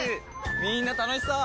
みんな楽しそう！